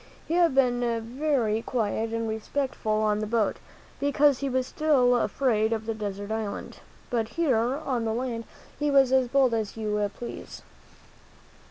He had been very quiet and respectful on the boat, because he was still afraid of the desert island; but here on the land he was as bold as you please.